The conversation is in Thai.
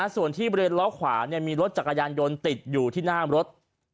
ส่วนที่บริเวณล้อขวามีรถจักรยานยนต์ติดอยู่ที่หน้ารถ